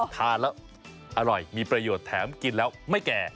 ทานแล้วอร่อยมีประโยชน์แถมกินแล้วไม่แก่